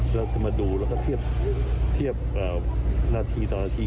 เราจะมาดูแล้วก็เทียบนาทีตอนนาที